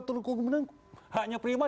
terhukum menengah haknya prima